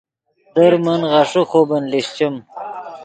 در من غیݰے خوبن لیشچیم